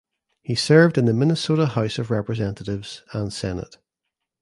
He served in the Minnesota House of Representatives and Senate.